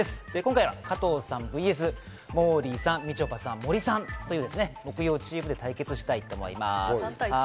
今回は加藤さんｖｓモーリーさん、みちょぱさん、森さんという木曜チームで対決したいと思います。